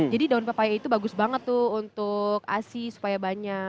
jadi daun pepaya itu bagus banget untuk asih supaya banyak